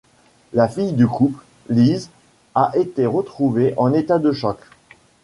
La fille du couple, Liz, a été retrouvée en état de choc.